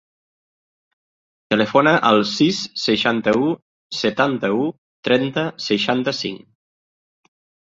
Telefona al sis, seixanta-u, setanta-u, trenta, seixanta-cinc.